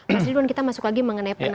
mas ridwan kita masuk lagi mengenai penanganan